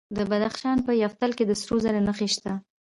د بدخشان په یفتل کې د سرو زرو نښې شته.